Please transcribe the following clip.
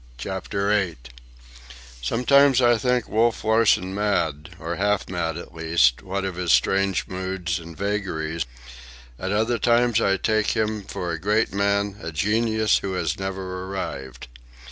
CHAPTER VIII Sometimes I think Wolf Larsen mad, or half mad at least, what of his strange moods and vagaries. At other times I take him for a great man, a genius who has never arrived.